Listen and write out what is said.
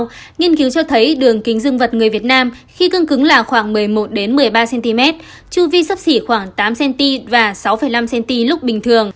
theo nghiên cứu cho thấy đường kính dương vật người việt nam khi cương cứng là khoảng một mươi một một mươi ba cm chu vi sắp xỉ khoảng tám cm và sáu năm cm lúc bình thường